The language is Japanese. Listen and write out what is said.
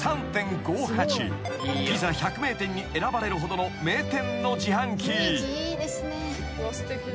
［ピザ百名店に選ばれるほどの名店の自販機］